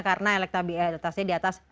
karena elektabilitasnya di atas